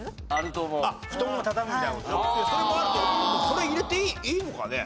それ入れていいのかね？